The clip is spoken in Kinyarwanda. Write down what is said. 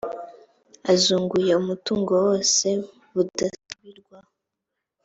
azunguye umutungo wose budasubirwaho